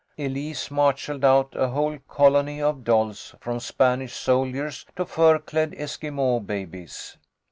Elise marshalled out a whole colony of dolls, from Spanish soldiers to fur clad Esquimaux babies.